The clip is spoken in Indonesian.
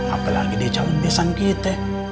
apalagi di calon desa kita